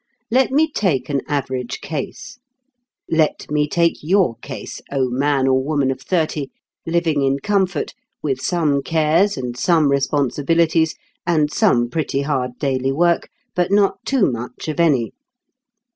Let me take an average case. Let me take your case, O man or woman of thirty, living in comfort, with some cares, and some responsibilities, and some pretty hard daily work, but not too much of any!